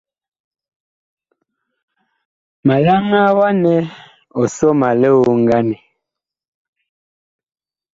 Ma yaŋaa wa nɛ ɔ sɔ ma lioŋganɛ.